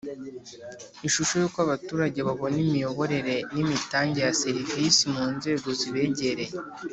Ishusho y uko Abaturage babona Imiyoborere n Imitangire ya Serivisi mu nzego zibegereye